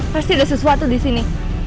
pasti ada sesuatu disini